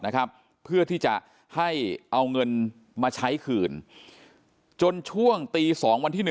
นะครับเพื่อที่จะให้เอาเงินมาใช้คืนจนช่วงตี๒วันที่๑